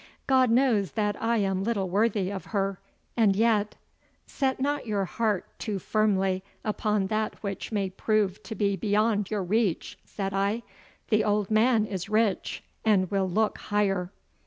'God knows that I am little worthy of her, and yet ' 'Set not your heart too firmly upon that which may prove to be beyond your reach,' said I. 'The old man is rich, and will look higher.